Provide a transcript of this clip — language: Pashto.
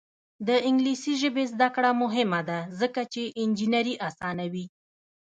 د انګلیسي ژبې زده کړه مهمه ده ځکه چې انجینري اسانوي.